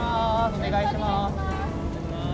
お願いします。